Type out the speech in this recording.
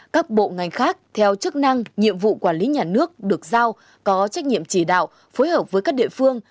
các bộ ngành khác theo chức năng nhiệm vụ quản lý nhà nước được giao có trách nhiệm chỉ đạo phối hợp với các địa phương